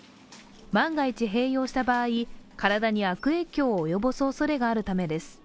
万が一併用した場合、体に悪影響を及ぼすおそれがあるためです。